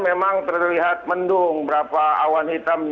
memang terlihat mendung berapa awan hitam